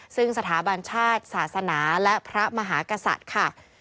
ซึ่งสถาบันชาติศาสนาและพระมหากษัตริย์ค่ะ